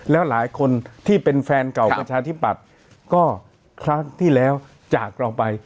แล้วหลายคนที่เป็นแฟนเก่าประชาธิปัตย์ก็ครั้งที่แล้วจากเราไป